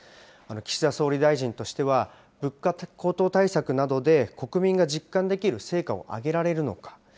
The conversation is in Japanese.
岸田総理大臣としては物価高騰対策などで、国民が実感できる成果を上げられるのか。